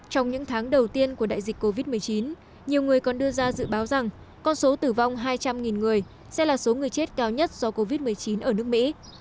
trong những tháng đầu tiên của đại dịch covid một mươi chín nhiều người còn đưa ra dự báo rằng con số tử vong hai trăm linh người sẽ là số người chết cao nhất do covid một mươi chín ở nước mỹ